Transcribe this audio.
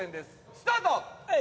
スタート！